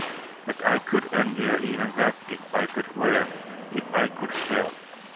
But I could endure even that, if I could work, if I could help.